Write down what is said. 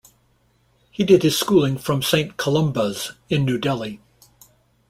He did his schooling from Saint Columba's in New Delhi.